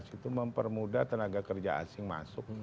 itu mempermudah tenaga kerja asing masuk